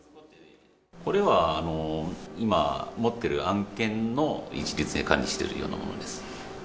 これは今持ってる案件の一律で管理しているようなものです。